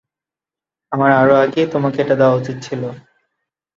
আমার আরো আগেই তোমাকে এটা দেওয়া উচিত ছিল।